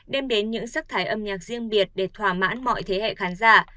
đem đến những sắc thái âm nhạc riêng biệt để thỏa mãn mọi thế hệ khán giả